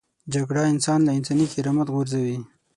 جګړه انسان له انساني کرامت غورځوي